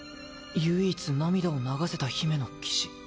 唯一涙を流せた姫の騎士。